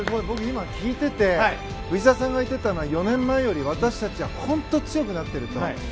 僕、今、聞いていて藤澤さんが言っていたのは４年前より私たちは本当に強くなっていると。